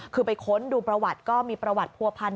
คือไปค้นดูประวัติก็มีประวัติผัวพันธ